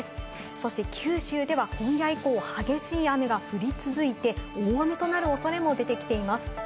そして九州では今夜以降、激しい雨が降り続いて大雨となる恐れも出てきています。